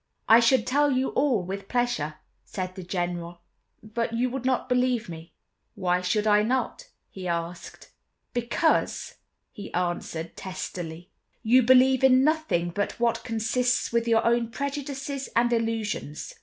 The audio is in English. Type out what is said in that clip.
"I should tell you all with pleasure," said the General, "but you would not believe me." "Why should I not?" he asked. "Because," he answered testily, "you believe in nothing but what consists with your own prejudices and illusions.